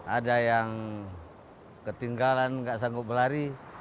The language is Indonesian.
ada yang ketinggalan nggak sanggup berlari